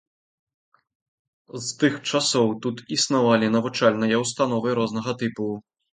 З тых часоў тут існавалі навучальныя ўстановы рознага тыпу.